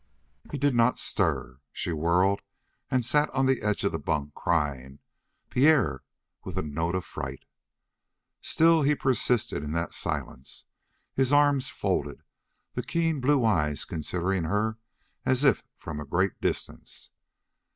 He did not stir. She whirled and sat on the edge of the bunk, crying: "Pierre!" with a note of fright. Still he persisted in that silence, his arms folded, the keen blue eyes considering her as if from a great distance.